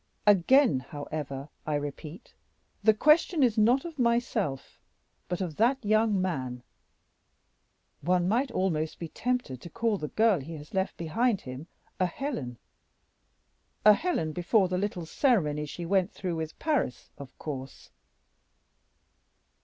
Again, however, I repeat, the question is not of myself, but of that young man. One might almost be tempted to call the girl he has left behind him a Helen a Helen before the little ceremony she went through with Paris, of course."